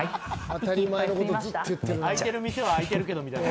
当たり前のことずっと言ってる。